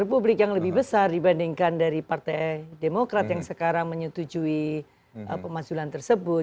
republik yang lebih besar dibandingkan dari partai demokrat yang sekarang menyetujui pemaksulan tersebut